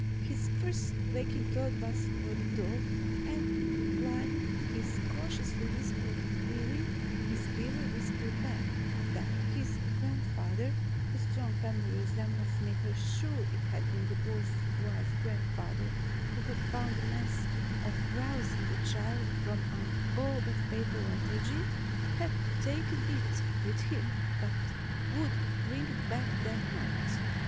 His first waking thought was for the dog and in reply to his cautiously whispered inquiry Miss Beaver whispered back that his grandfather (the strong family resemblance made her sure it had been the boy's wise grandfather who had found a means of rousing the child from an all but fatal lethargy) had taken it with him but would bring it again that night.